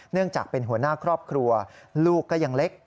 เนื่องจากเป็นหัวหน้าครอบครัวลูกก็ยังเล็ก